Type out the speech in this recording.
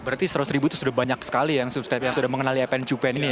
berarti seratus ribu itu sudah banyak sekali yang subscribe yang sudah mengenali evan cupan ini ya